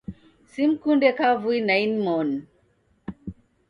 Simkunde kavui na inmoni.